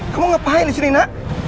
kamu ngapain disini nak